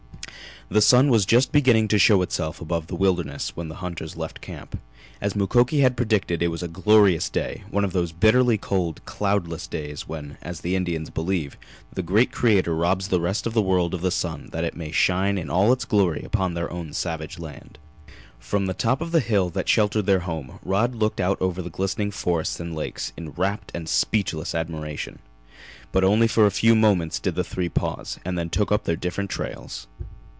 The sun was just beginning to show itself above the wilderness when the hunters left camp. As Mukoki had predicted, it was a glorious day, one of those bitterly cold, cloudless days when, as the Indians believe, the great Creator robs the rest of the world of the sun that it may shine in all its glory upon their own savage land. From the top of the hill that sheltered their home Rod looked out over the glistening forests and lakes in rapt and speechless admiration; but only for a few moments did the three pause, then took up their different trails.